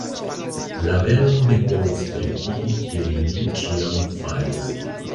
La velon mi povus pretigi kiel li ĉiam faris.